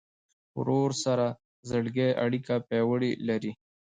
ورور سره د زړګي اړیکه پیاوړې لرې.